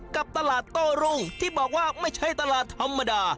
กับตลาดโต้รุ่งที่บอกว่าไม่ใช่ตลาดธรรมดา